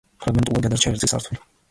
ფრაგმენტულად გადარჩა ერთი სართული.